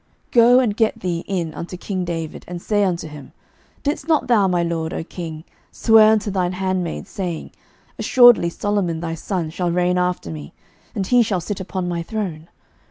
11:001:013 Go and get thee in unto king David, and say unto him, Didst not thou, my lord, O king, swear unto thine handmaid, saying, Assuredly Solomon thy son shall reign after me, and he shall sit upon my throne?